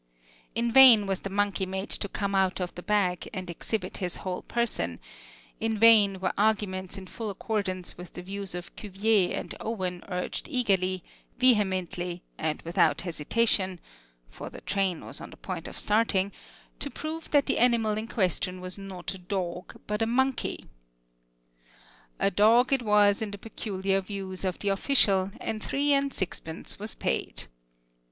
In vain was the monkey made to come out of the bag and exhibit his whole person; in vain were arguments in full accordance with the views of Cuvier and Owen urged eagerly, vehemently, and without hesitation (for the train was on the point of starting), to prove that the animal in question was not a dog, but a monkey. A dog it was in the peculiar views of the official, and three and sixpence was paid.